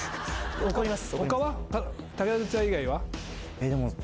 怒ります。